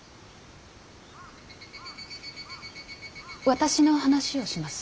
私の話をします。